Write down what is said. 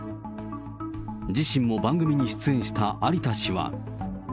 自身も番組に出演した有田氏は。